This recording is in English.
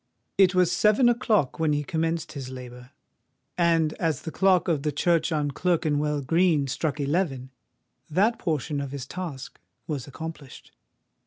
It was seven o'clock when he commenced his labour; and as the clock of the church on Clerkenwell Green struck eleven, that portion of his task was accomplished.